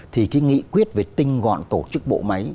thì cái nghị quyết về tinh gọn tổ chức bộ máy